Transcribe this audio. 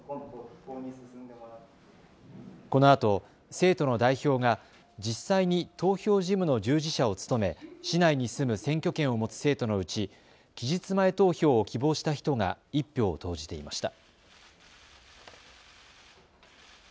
このあと生徒の代表が実際に投票事務の従事者を務め市内に住む選挙権を持つ生徒のうち期日前投票を希望した人が１票を投じていました。